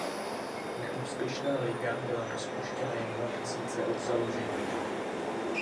Neúspěšná liga byla rozpuštěna jen dva měsíce od založení.